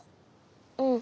うん。